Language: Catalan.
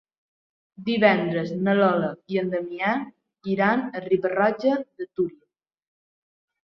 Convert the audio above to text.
Divendres na Lola i en Damià iran a Riba-roja de Túria.